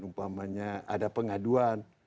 umpamanya ada pengaduan